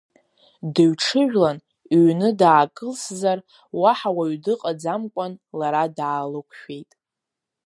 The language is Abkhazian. Дыҩҽыжәлан, иҩны даакылсзар, уаҳа уаҩ дыҟаӡамкәан, лара даалықәшәеит.